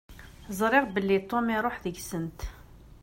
Ẓriɣ belli Tom iruḥ deg-sent.